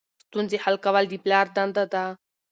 ستونزې حل کول د پلار دنده ده.